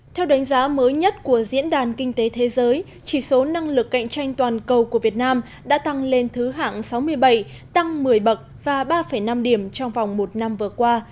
theo đánh giá mới nhất của diễn đàn kinh tế thế giới chỉ số năng lực cạnh tranh toàn cầu của việt nam đã tăng lên thứ hạng sáu mươi bảy tăng một mươi bậc và ba năm điểm trong vòng một năm vừa qua